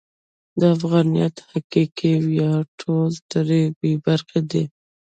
د افغانیت حقیقي ویاړونه ټول ترې بې برخې دي.